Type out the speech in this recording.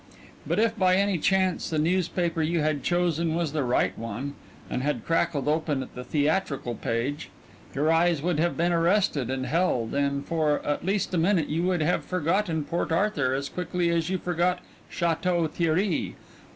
But if by any chance the newspaper you had chosen was the right one and had crackled open at the theatrical page, your eyes would have been arrested and held, and for at least a minute you would have forgotten Port Arthur as quickly as you forgot Château Thierry.